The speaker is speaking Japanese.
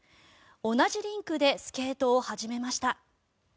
同じリンクでスケートを始めました。